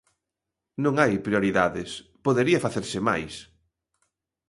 Non hai prioridades, podería facerse máis.